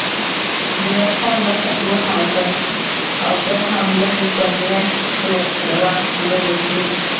ميرويس خان وخندل: نو دا حملې به مياشتې وخت ونيسي.